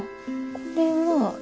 これは。